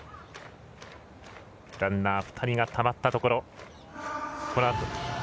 ランナー２人がたまったところ。